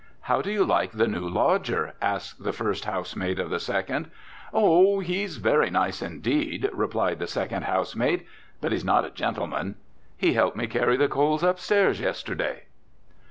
"How do you like the new lodger?" asked the first housemaid of the second. "Oh, he's very nice indeed," replied the second housemaid. "But he's not a gentleman. He helped me carry the coals upstairs yesterday."